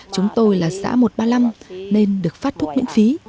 chúng tôi là xã một trăm ba mươi năm nên được phát thuốc miễn phí